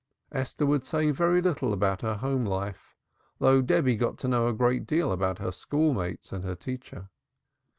Esther would say very little about her home life, though Debby got to know a great deal about her school mates and her teacher.